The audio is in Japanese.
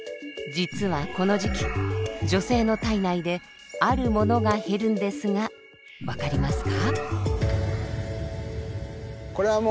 実はこの時期女性の体内であるものが減るんですが分かりますか？